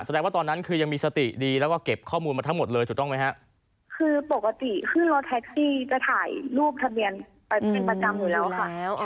แสดงว่าตอนนั้นคือยังมีสติดีแล้วก็เก็บข้อมูลมาทั้งหมดเลยถูกต้องไหมฮะคือปกติขึ้นรถแท็กซี่จะถ่ายรูปทะเบียนไปเป็นประจำอยู่แล้วค่ะ